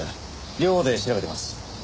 両方で調べてます。